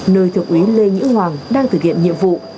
nơi thượng úy lê nhữ hoàng đang thực hiện nhiệm vụ